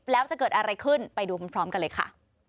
แล้วจะเกิดอะไรขึ้นไปดูพร้อมกันเลยค่ะ